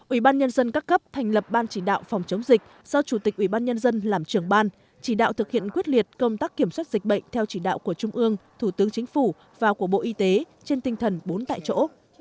ủy ban nhân dân các cấp thành lập ban chỉ đạo phòng chống dịch do chủ tịch ủy ban nhân dân làm trưởng ban chỉ đạo thực hiện quyết liệt công tác kiểm soát dịch bệnh theo chỉ đạo của trung ương thủ tướng chính phủ và của bộ y tế trên tinh thần bốn tại chỗ